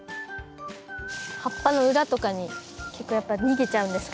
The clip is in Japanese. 葉っぱの裏とかに結構やっぱ逃げちゃうんですかね。